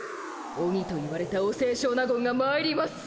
オニと言われたお清少納言がまいります。